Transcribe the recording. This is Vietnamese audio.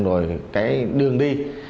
rồi cái đường đi